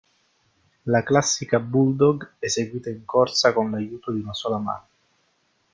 La classica bulldog eseguita in corsa con l'aiuto di una sola mano.